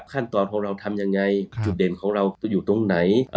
ขั้นตอนของเราทำยังไงจุดเด่นของเราจะอยู่ตรงไหน